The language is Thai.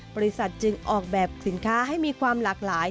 บริษัทจึงออกแบบสินค้าให้มีความหลากหลาย